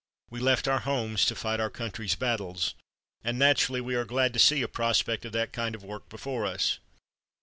We left our homes to fight our country's battles, and naturally we are glad to see a prospect of that kind of work before us.